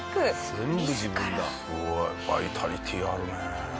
バイタリティーあるね。